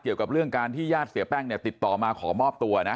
เกี่ยวกับเรื่องการที่ญาติเสียแป้งเนี่ยติดต่อมาขอมอบตัวนะ